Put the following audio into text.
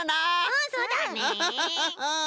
うんそうだね。